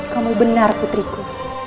kamu benar putriku